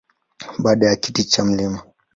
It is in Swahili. Baada ya kiti cha Mt.